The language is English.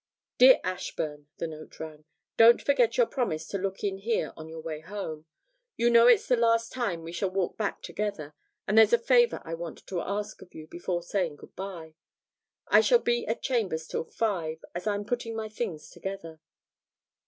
'Dear Ashburn,' the note ran, 'don't forget your promise to look in here on your way home. You know it's the last time we shall walk back together, and there's a favour I want to ask of you before saying good bye. I shall be at chambers till five, as I am putting my things together.'